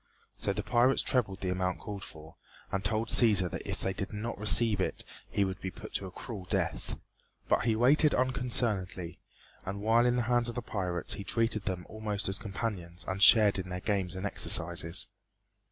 So the pirates trebled the amount called for, and told Cæsar that if they did not receive it he would be put to a cruel death, but he waited unconcernedly; and while in the hands of the pirates he treated them almost as companions and shared in their games and exercises.